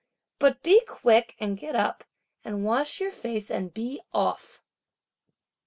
But be quick and get up, and wash your face and be off!"